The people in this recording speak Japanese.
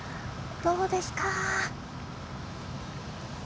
どうですか。